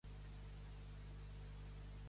Morir com un griu.